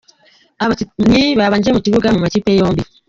Abakinnyi babanje mu kibuga ku makipe yombi:.